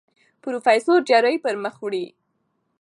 پروفېسر جراحي پر مخ وړي.